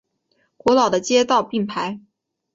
古老的街道并排。